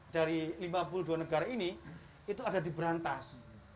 dari lima puluh dua negara ini itu ada di berantas